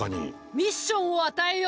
ミッションを与えよう！